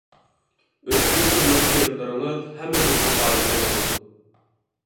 ئۆتكۈر تىللىق شېئىرلىرىڭىز ھەممىمىزنى قايىل قىلىدۇ!